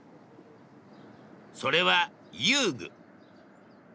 それは遊具。